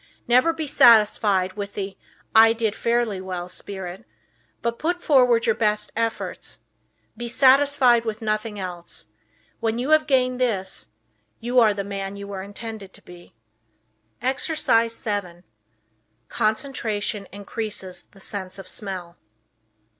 Never be satisfied with the "I did fairly well" spirit, but put forward your best efforts. Be satisfied with nothing else. When you have gained this you are the man you were intended to be. Exercise 7 Concentration Increases the Sense of Smell.